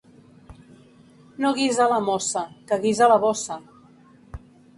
No guisa la mossa, que guisa la bossa.